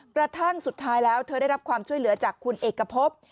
กระทั่งสุดท้ายแล้วเธอได้รับความช่วยเหลือจากคุณเอกพบ